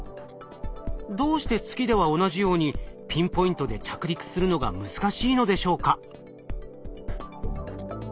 どうして月では同じようにピンポイントで着陸するのが難しいのでしょうか？